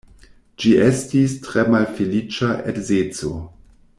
Ĝi estis tre malfeliĉa edzeco.